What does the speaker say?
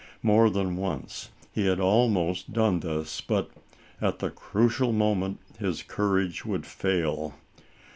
More than once he had almost done this, but, at the crucial moment, his courage would fail.